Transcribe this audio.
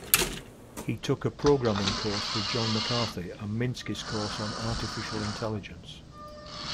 He took a programming course with John McCarthy, and Minsky's course on artificial intelligence.